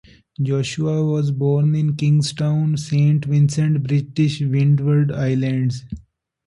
Joshua was born in Kingstown, Saint Vincent, British Windward Islands.